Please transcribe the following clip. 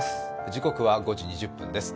時刻は５時２０分です。